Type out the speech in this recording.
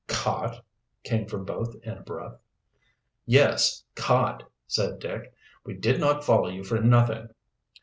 "Caught?" came from both, in a breath. "Yes, caught," said Dick. "We did not follow you for nothing."